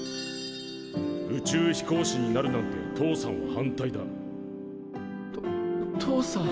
宇宙飛行士になるなんて父さんは反対だ。と父さん。